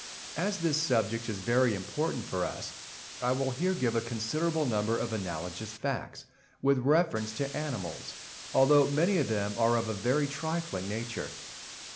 As this subject is very important for us, I will here give a considerable number of analogous facts, with reference to animals; although many of them are of a very trifling nature.